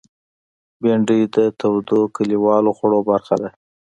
بېنډۍ د تودو کلیوالو خوړو برخه ده